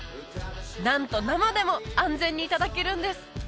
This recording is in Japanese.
なんと生でも安全にいただけるんです